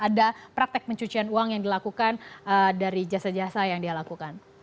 ada praktek pencucian uang yang dilakukan dari jasa jasa yang dia lakukan